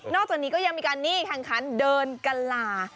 นอกจากนี้ก็ยังมีการนี่คันเดินกลา